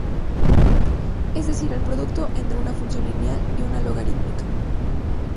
Es decir el producto entre una función lineal y una logarítmica.